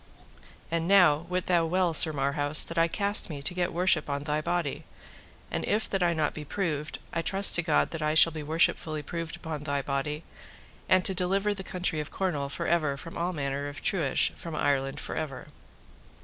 And now wit thou well, Sir Marhaus, that I cast me to get worship on thy body; and if that I be not proved, I trust to God that I shall be worshipfully proved upon thy body, and to deliver the country of Cornwall for ever from all manner of truage from Ireland for ever.